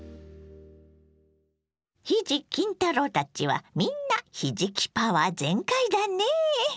ひじ・きん太郎たちはみんなひじきパワー全開だねぇ。